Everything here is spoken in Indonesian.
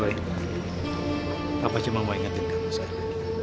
boy papa cuma mau ingetin kamu sekarang